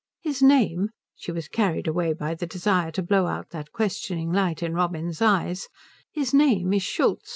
His name" She was carried away by the desire to blow out that questioning light in Robin's eyes "his name is Schultz."